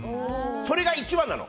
それが一番なの。